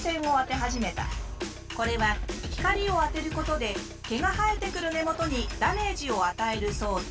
これは光を当てることで毛が生えてくる根元にダメージを与える装置。